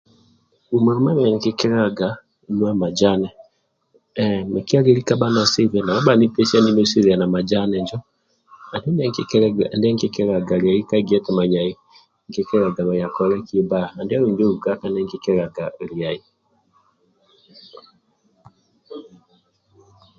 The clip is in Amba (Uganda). Huma huma emi nkikelelaga nuwa majani mikya lyeli kaba na seibhe nau banipesiya ninweseleliya na majani kili ne ndye kikelega liyai ndyekina anduwau